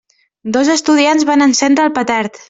Dos estudiants van encendre el petard.